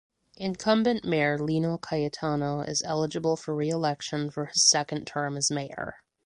Incumbent Mayor Lino Cayetano is eligible for reelection for his second term as mayor.